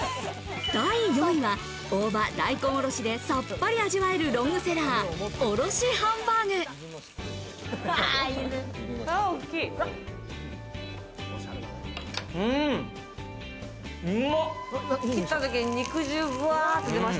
第４位は大葉・大根おろしでさっぱり味わえるロングセラー、うま！